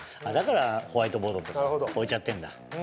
だからホワイトボードとか置いちゃってんだ。